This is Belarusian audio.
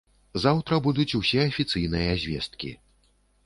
Заўтра будуць усе афіцыйныя звесткі.